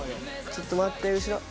ちょっと待って後ろ。